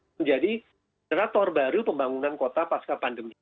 dan juga menjadi generator baru pembangunan kota pasca pandemi